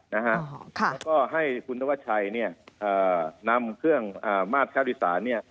แล้วก็ให้คุณธวัชชัยนำเครื่องมาตรค่าโดยสาร